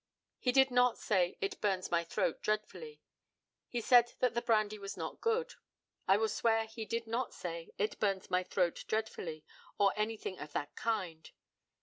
He did not say, "It burns my throat dreadfully." He said the brandy was not good. I will swear he did not say, "it burns my throat dreadfully," or anything of that kind.